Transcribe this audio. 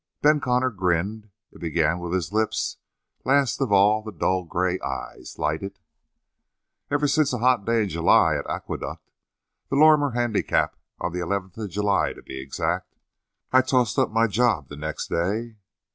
Ben Connor grinned. It began with his lips; last of all the dull gray eyes lighted. "Ever since a hot day in July at Aqueduct. The Lorrimer Handicap on the 11th of July, to be exact. I tossed up my job the next day."